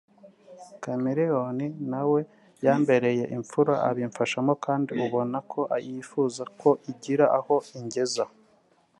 Chameleone na we yambereye imfura abimfashamo kandi ubona ko yifuza ko igira aho ingeza